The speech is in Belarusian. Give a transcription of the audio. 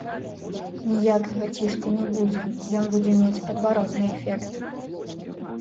Ніякага ціску не будзе, ён будзе мець адваротны эфект.